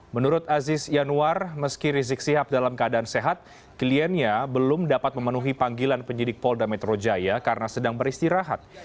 menurut aziz yanuar meski rizik sihab dalam keadaan sehat kliennya belum dapat memenuhi panggilan penyidik polda metro jaya karena sedang beristirahat